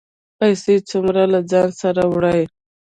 پیسې څومره له ځانه سره وړئ؟